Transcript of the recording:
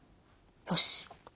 よし。